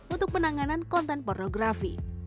untuk penanganan konten pornografi